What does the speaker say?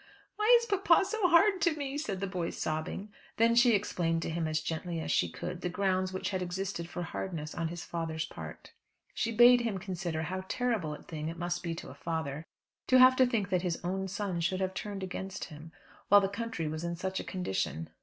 "Why is papa so hard to me?" said the boy sobbing. Then she explained to him as gently as she could, the grounds which had existed for hardness on his father's part. She bade him consider how terrible a thing it must be to a father, to have to think that his own son should have turned against him, while the country was in such a condition.